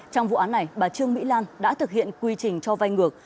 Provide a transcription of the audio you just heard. trong vụ án này bà trương mỹ lan đã thực hiện quy trình cho vai ngược